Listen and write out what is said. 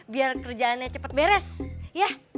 biar kerjaannya cepat beres ya